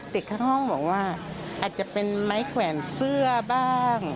ข้างห้องบอกว่าอาจจะเป็นไม้แขวนเสื้อบ้าง